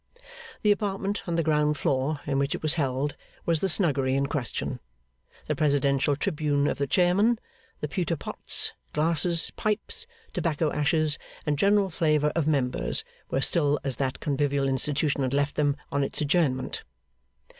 The apartment on the ground floor in which it was held, was the Snuggery in question; the presidential tribune of the chairman, the pewter pots, glasses, pipes, tobacco ashes, and general flavour of members, were still as that convivial institution had left them on its adjournment.